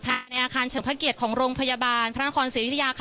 พูดสิทธิ์ข่าวธรรมดาทีวีรายงานสดจากโรงพยาบาลพระนครศรีอยุธยาครับ